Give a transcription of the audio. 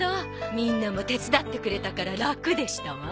みんなも手伝ってくれたからラクでしたわ。